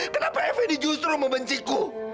kenapa fnd justru membenciku